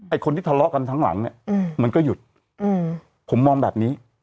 คนที่ทะเลาะกันทั้งหลังเนี่ยมันก็หยุดผมมองแบบนี้